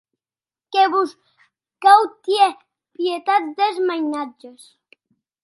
Que vos cau tier pietat des mainatges.